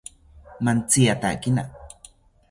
Mantziyatakina